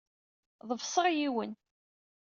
Ḍefseɣ yiwen.